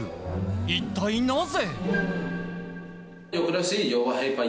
一体なぜ？